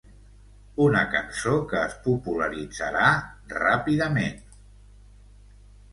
Una cançó que es popularitzarà ràpidament.